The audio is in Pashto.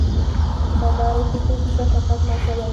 په لارو کوڅو کې کثافات مه اچوئ.